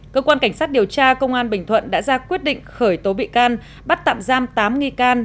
cơ quan cảnh sát điều tra công an bình thuận đã ra quyết định khởi tố bị can bắt tạm giam tám nghi can